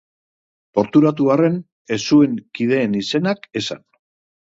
Torturatu arren, ez zuen kideen izenak esan.